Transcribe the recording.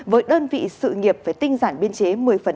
với đơn vị sự nghiệp phải tinh giản biên chế một mươi